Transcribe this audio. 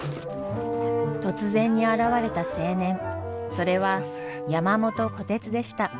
突然に現れた青年それは山元虎鉄でした。